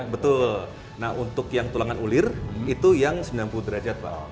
betul nah untuk yang tulangan ulir itu yang sembilan puluh derajat pak